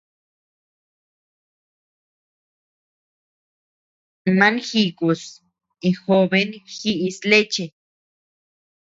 Man jikus y joben jiʼis leche.